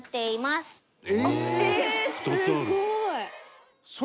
すごい！」